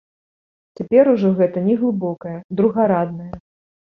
Цяпер ужо гэта неглыбокае, другараднае.